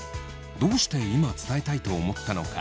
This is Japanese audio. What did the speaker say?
どうして今伝えたいと思ったのか。